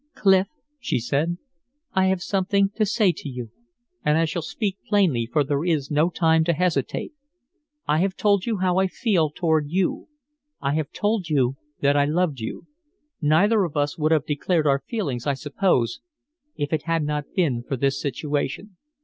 "Clif," she said, "I have something to say to you. And I shall speak plainly, for there is no time to hesitate. I have told you how I feel toward you; I have told you that I loved you. Neither of us would have declared our feelings, I suppose, if it had not been for this situation.